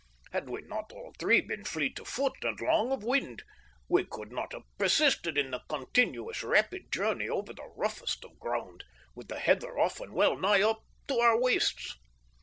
Had we not all three been fleet of foot and long of wind, we could not have persisted in the continuous, rapid journey over the roughest of ground, with the heather often well nigh up to our waists.